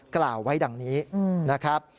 กล่าวไว้ดังนี้นะครับ